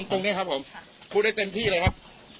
ผมคุยได้เต็มที่เลยครับ